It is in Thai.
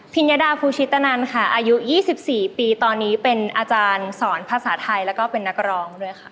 ญดาภูชิตนันค่ะอายุ๒๔ปีตอนนี้เป็นอาจารย์สอนภาษาไทยแล้วก็เป็นนักร้องด้วยค่ะ